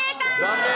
残念。